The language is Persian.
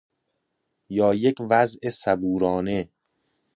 یا یک وضع صبورانه